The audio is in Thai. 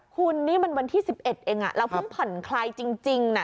คุณนี่มันวันที่๑๑เองเราเพิ่งผ่อนคลายจริงนะ